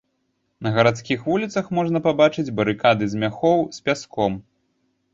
На гарадскіх вуліцах можна пабачыць барыкады з мяхоў з пяском.